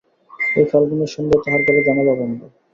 এই ফাল্গুনের সন্ধ্যায় তাহার ঘরে জানলা বন্ধ।